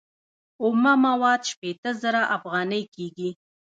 اومه مواد شپیته زره افغانۍ کېږي